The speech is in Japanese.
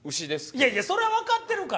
いやいやそれは分かってるから。